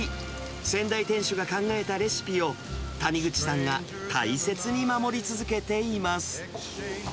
先代店主が考えたレシピを谷口さんが大切に守り続けています。